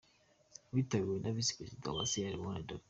Witabiriwe na Visi Perezida wa Sierra Leone, Dr.